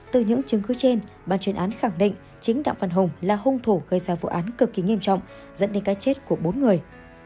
từ những chứng cứ trên bàn chuyên án khẳng định chính đặng văn hùng là hung thủ gây ra vụ án cực kỳ nghiêm trọng dẫn đến cái chết của bốn người